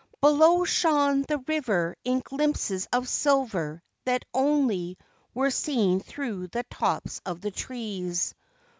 Below shone the river in glimpses of silver that only were seen through the tops of the trees.